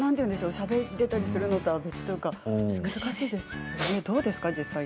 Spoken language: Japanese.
しゃべれたりするのとは別というか難しいですよね。